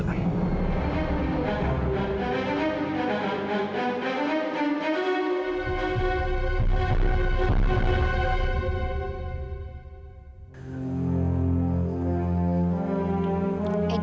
kayaknya sama chameng moral